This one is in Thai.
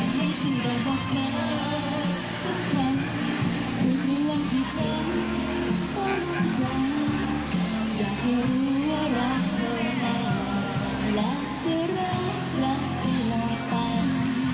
ทุกคนที่เจ้าต้องรู้จักอยากให้รู้ว่ารักเธอมากและจะรักรักไปตลอดปัน